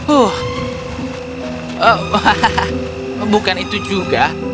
oh hahaha bukan itu juga